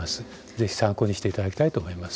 ぜひ参考にしていただきたいと思います。